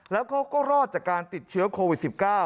แล้วเขาก็รอดจากการติดเชื้อโควิด๑๙